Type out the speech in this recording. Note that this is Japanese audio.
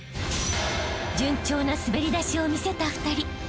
［順調な滑り出しを見せた２人］